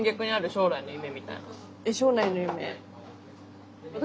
将来の夢。